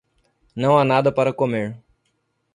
Não há nada para comer.